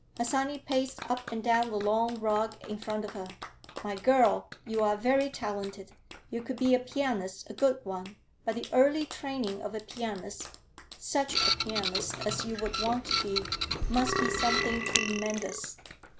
Harsanyi paced up and down the long rug in front of her. "My girl, you are very talented. You could be a pianist, a good one. But the early training of a pianist, such a pianist as you would want to be, must be something tremendous.